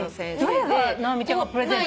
どれが直美ちゃんがプレゼントした。